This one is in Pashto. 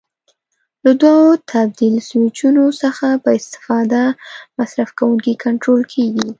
له دوو تبدیل سویچونو څخه په استفاده مصرف کوونکی کنټرول کېږي.